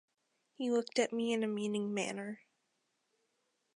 He looked at me in a meaning manner.